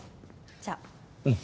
じゃうん